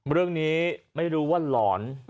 เรื่องนี้ไม่รู้ว่าหลอน